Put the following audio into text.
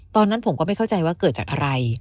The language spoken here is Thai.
ตอนนั้นผมก็ไม่เข้าใจว่าเกิดจากอะไร